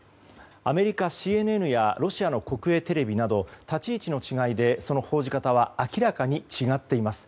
アメリカＣＮＮやロシアの国営テレビなど立ち位置の違いでその報じ方は明らかに違っています。